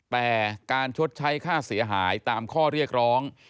แต่การชดใช้ค่าเสียหายตามข้อเรียกร้อง